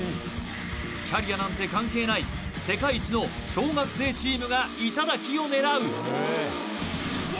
キャリアなんて関係ない世界一の小学生チームが頂を狙う！